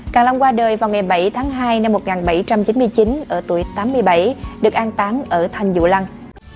càng long qua đời vào ngày bảy tháng hai năm một nghìn bảy trăm chín mươi chín ở tuổi tám mươi bảy được an tán ở thanh vũ lăng